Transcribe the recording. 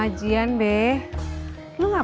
gak ini ada lama gak